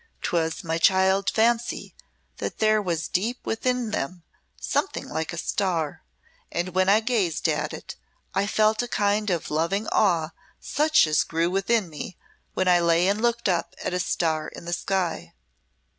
'Twas my child fancy that there was deep within them something like a star, and when I gazed at it, I felt a kind of loving awe such as grew within me when I lay and looked up at a star in the sky."